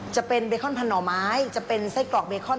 จะเป็นเบคอนพันหน่อไม้จะเป็นไส้กรอกเบคอน